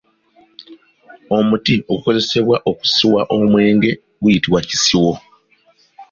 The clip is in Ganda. Omuti ogukozesebwa okusiwa omwenge guyitibwa Kisiwo.